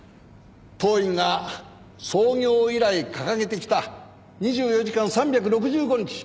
当院が創業以来掲げてきた２４時間３６５日